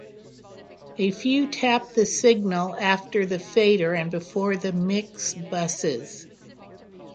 A few tap the signal after the fader and before the mix buses.